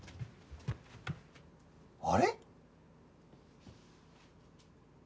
あれ？